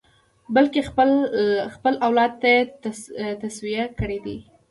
بلکې خپل اولاد ته یې توصیې کړې دي.